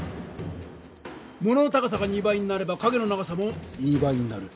物の高さが２倍になれば影の長さも２倍になる。